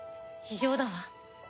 異常だわ。